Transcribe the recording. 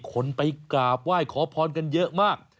คนไปกราบไหว้ขอพรกันเยอะมาก